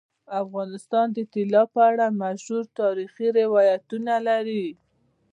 افغانستان د طلا په اړه مشهور تاریخی روایتونه لري.